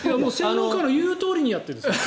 専門家の言うとおりにやってる。